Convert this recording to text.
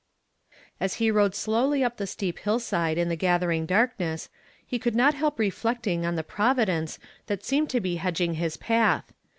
As lie le slowly up the steep hillside in the gathering darkness, he could not help reflecting on the Providence that seemed to be hedging his patli.